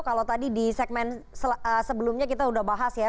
kalau tadi di segmen sebelumnya kita sudah bahas ya